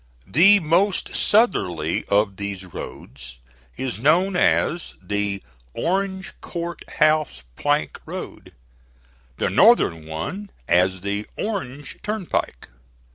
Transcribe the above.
The most southerly of these roads is known as the Orange Court House Plank Road, the northern one as the Orange Turnpike.